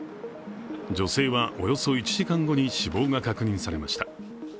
女性はおよそ１時間後に死亡が確認されました。